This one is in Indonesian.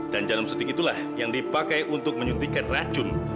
dan jarum sutik itulah yang dipakai untuk menyuntikkan racun